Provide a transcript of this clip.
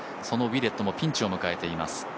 そのウィレットもピンチを迎えています。